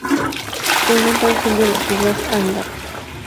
Se encuentra al sur de las Islas Andamán.